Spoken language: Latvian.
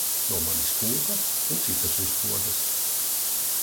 No manis kūka un citas uzkodas!